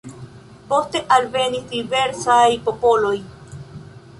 Poste alvenis diversaj popoloj.